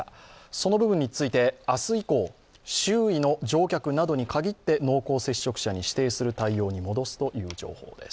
その部分について明日以降、周囲の乗客などに限って濃厚接触者に指定する対応に戻すという情報です。